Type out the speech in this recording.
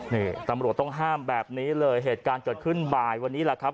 นี่ตำรวจต้องห้ามแบบนี้เลยเหตุการณ์เกิดขึ้นบ่ายวันนี้แหละครับ